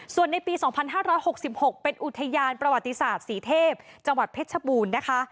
ส่วนในปี๒๕๖๖เป็นอุทยานประวัติศาสตร์ศรีเทพจังหวัดเพชรชบูรณ์นะคะ